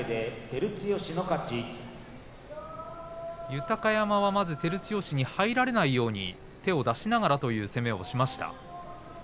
豊山は、まず照強に入られないように手を出しながらという攻めをしました。